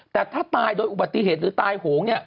แต่ถ้าตายโดยอุบัติเหตุหรือตายโหง